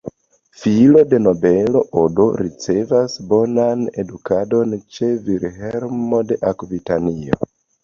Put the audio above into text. Filo de nobelo, Odo ricevas bonan edukadon ĉe Vilhelmo de Akvitanio.